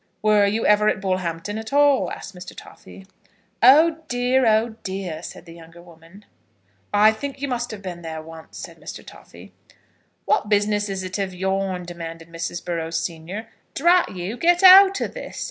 "Were you ever at Bullhampton at all?" asked Mr. Toffy. "Oh dear, oh dear," said the younger woman. "I think you must have been there once," said Mr. Toffy. "What business is it of yourn?" demanded Mrs. Burrows, senior. "Drat you; get out of this.